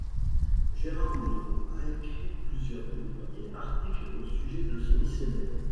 Gérald Boudreau a écrit plusieurs livres et articles au sujet de ce missionnaire.